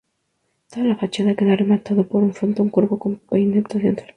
Toda la fachada queda rematado por un frontón curvo con peineta central.